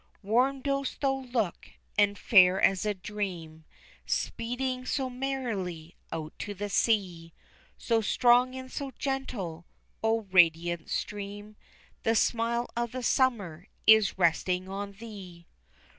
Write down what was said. Warm dost thou look, and fair as a dream, Speeding so merrily out to the sea, So strong and so gentle O radiant stream, The smile of the summer is resting on thee!